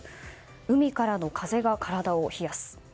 海からの風が体を冷やす。